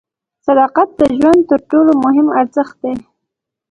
صداقت د ژوند تر ټولو مهم ارزښت دی.